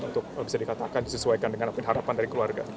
atau bisa dikatakan disesuaikan dengan harapan dari keluarga